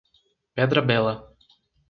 Pedra Bela